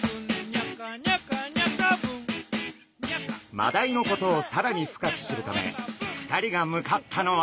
マダイのことをさらに深く知るため２人が向かったのは。